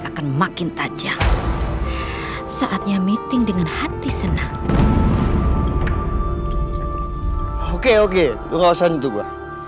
akan makin tajam saatnya meeting dengan hati senang oke oke lu nggak usah nuntuk gua